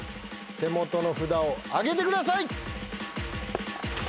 手元の札を挙げてください。